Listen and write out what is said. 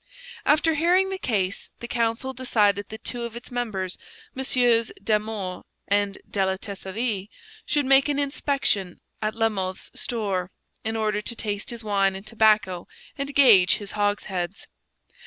After hearing the case, the council decided that two of its members, Messieurs Damours and de la Tesserie, should make an inspection at La Mothe's store, in order to taste his wine and tobacco and gauge his hogsheads.